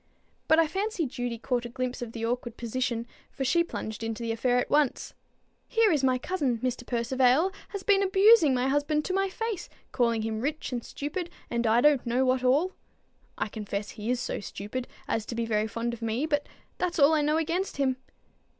But I fancy Judy caught a glimpse of the awkward position, for she plunged into the affair at once. "Here is my cousin, Mr. Percivale, has been abusing my husband to my face, calling him rich and stupid, and I don't know what all. I confess he is so stupid as to be very fond of me, but that's all I know against him."